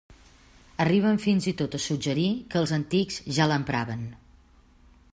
Arriben fins i tot a suggerir que els «antics» ja l'empraven.